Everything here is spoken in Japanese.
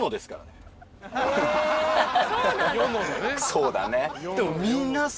そうだね。